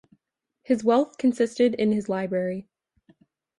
His wealth consisted in his library.